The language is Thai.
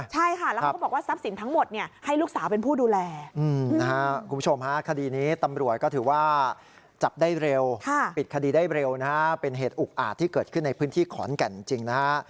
ตีได้เร็วนะครับเป็นเหตุอุกอาจที่เกิดขึ้นในพื้นที่ขอนแก่นจริงนะครับ